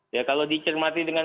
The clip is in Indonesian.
ya kalau dicermati dengan